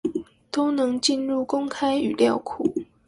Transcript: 都能進入公開語料庫